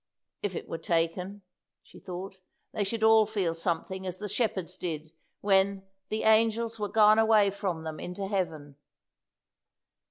"If it were taken," she thought, "they should all feel something as the shepherds did when 'the angels were gone away from them into heaven.'"